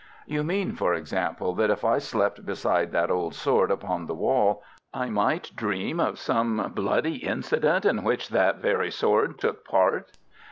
"You mean, for example, that if I slept beside that old sword upon the wall, I might dream of some bloody incident in which that very sword took part?"